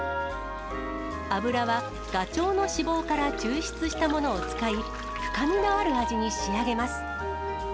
油は、ガチョウの脂肪から抽出したものを使い、深みのある味に仕上げます。